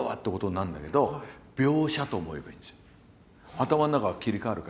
頭の中が切り替わるから。